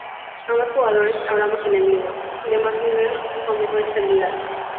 A más jugadores, habrá más enemigos, de más nivel y con mejores habilidades.